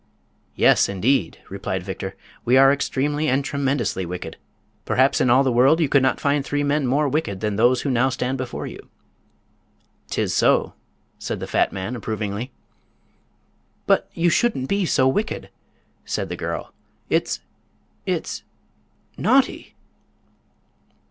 "Yes, indeed," replied Victor. "We are extremely and tremendously wicked. Perhaps in all the world you could not find three men more wicked than those who now stand before you." "'Tis so," said the fat man, approvingly. "But you shouldn't be so wicked," said the girl; "it's—it's—naughty!"